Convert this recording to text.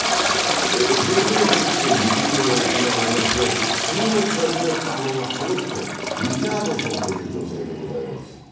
全米選手権・陸上が行われまして、注目されてたのがこの人、リチャードソンという方でございます。